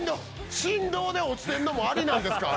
振動で落ちてるのもありなんですか？